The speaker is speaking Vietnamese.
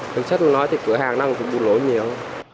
chắc là nói thì cửa hàng năng cũng đủ lỗi nhiều